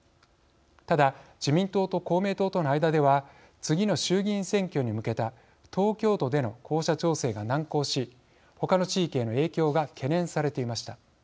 ただ、自民党と公明党との間では次の衆議院選挙に向けた東京都での候補者調整が難航し他の地域への影響が懸念されていました。